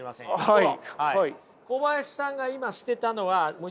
はい。